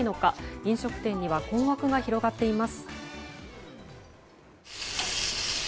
飲食店には困惑が広がっています。